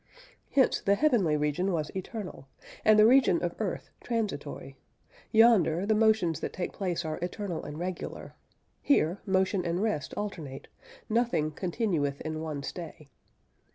Hence the heavenly region was eternal, and the region of earth transitory: yonder, the motions that take place are eternal and regular; here, motion and rest alternate, nothing "continueth in one stay."